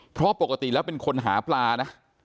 เพราะปกติแล้วเป็นคนหาปลานะ